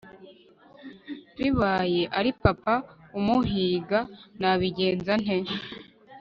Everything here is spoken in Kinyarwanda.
bibaye ari papa umuhiga nabigenza nte